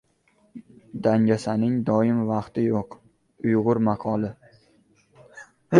Dangasaning doim vaqti yo‘q. Uyg‘ur maqoli